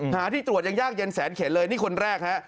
หาที่ตรวจยังยากเย็นแสนเข็นเลยนี่คนแรกฮะ